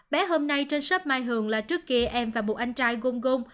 bé hôm nay trên shop mai hường là trước kia em và một anh trai gung gung